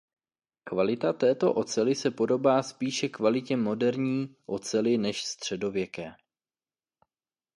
Kvalita této oceli se podobá spíše kvalitě moderní oceli než středověké.